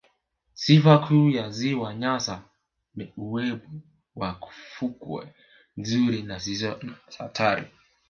Sifa kuu ya ziwa Nyasa ni uwepo wa fukwe nzuri na zisizo za hatari